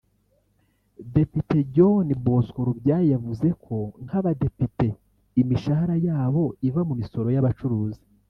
Depite John Bosco Lubyayi yavuze ko nk’abadepite imishahara yabo iva mu misoro y’abacuruzi